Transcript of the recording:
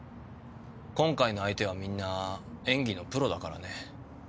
今回の相手はみんな演技のプロだからね。